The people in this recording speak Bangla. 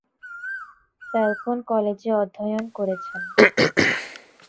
ফ্যালকন কলেজে অধ্যয়ন করেছেন।